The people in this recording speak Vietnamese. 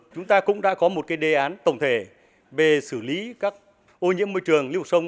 chúng ta cũng đã có một đề án tổng thể về xử lý các ô nhiễm môi trường lưu sông